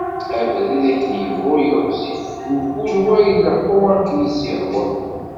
Abrid akken yebɣu yiɣzif, mkul wa ileḥḥu akken i s-yehwa.